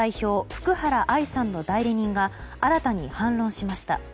福原愛さんの代理人が新たに反論しました。